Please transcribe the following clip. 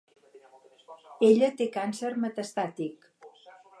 Ella té càncer metastàtic.